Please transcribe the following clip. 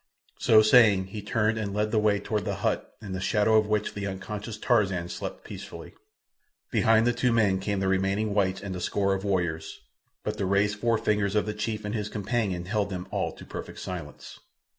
So saying, he turned and led the way toward the hut, in the shadow of which the unconscious Tarzan slept peacefully. Behind the two men came the remaining whites and a score of warriors; but the raised forefingers of the chief and his companion held them all to perfect silence.